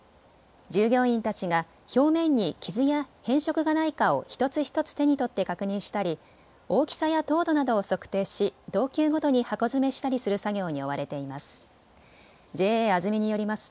従業員たちが表面に傷や変色がないかを一つ一つ手に取って確認したり大きさや糖度などを測定し等級ごとに箱詰めしたりする作業に追われています。